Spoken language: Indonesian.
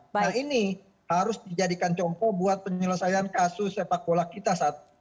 nah ini harus dijadikan contoh buat penyelesaian kasus sepak bola kita saat ini